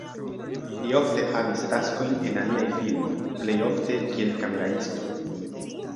Li ofte havis taskojn en aliaj filmoj, plej ofte, kiel kameraisto.